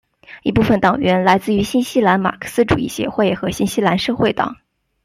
一部分党员来自于新西兰马克思主义协会和新西兰社会党。